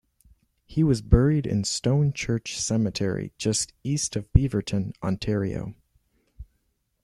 He was buried in Stone Church Cemetery, just east of Beaverton, Ontario.